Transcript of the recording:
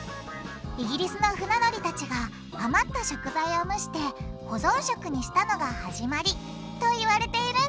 イギリスの船乗りたちが余った食材を蒸して保存食にしたのが始まりと言われているんです！